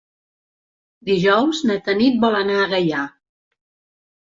Dijous na Tanit vol anar a Gaià.